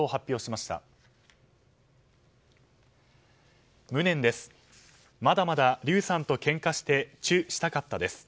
まだまだ竜さんとけんかしてチューしたかったです。